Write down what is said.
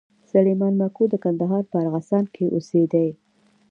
سلېمان ماکو د کندهار په ارغسان کښي اوسېدئ.